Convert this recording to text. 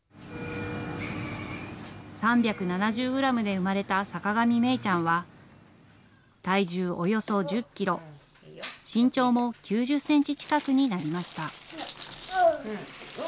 ３７０グラムで産まれた坂上芽ちゃんは、体重およそ１０キロ、身長も９０センチ近くになりました。